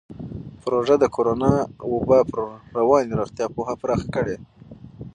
پروژه د کورونا وبا پر رواني روغتیا پوهه پراخه کړې.